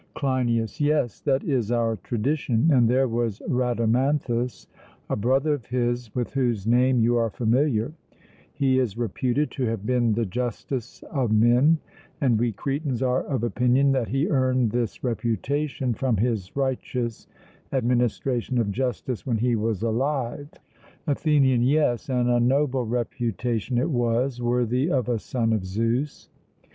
CLEINIAS: Yes, that is our tradition; and there was Rhadamanthus, a brother of his, with whose name you are familiar; he is reputed to have been the justest of men, and we Cretans are of opinion that he earned this reputation from his righteous administration of justice when he was alive. ATHENIAN: Yes, and a noble reputation it was, worthy of a son of Zeus.